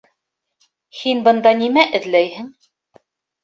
Һин бында нимә эҙләйһең?